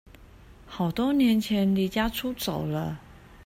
好多年前離家出走了